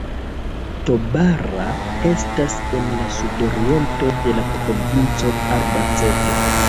Tobarra estas en la sudoriento de la provinco Albacete.